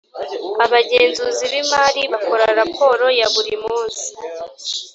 abagenzuzi b imari bakora raporo ya buri munsi